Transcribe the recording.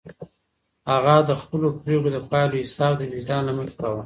هغه د خپلو پرېکړو د پایلو حساب د وجدان له مخې کاوه.